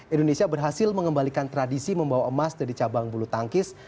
indonesia berhasil mengembalikan tradisi membawa emas dari cabang bulu tangkis